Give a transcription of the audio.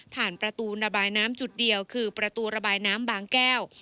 ประตูระบายน้ำจุดเดียวคือประตูระบายน้ำบางแก้ว